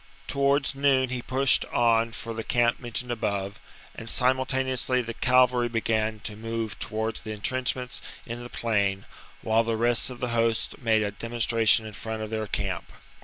Towards noon he pushed on for the camp mentioned above ; and simultane ously the cavalry began to move towards the entrenchments in the plain, while the rest of the host made a demonstration in front of their camp.